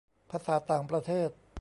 ภาษาต่างประเทศ